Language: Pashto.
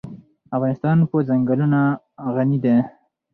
افغانستان په چنګلونه غني دی.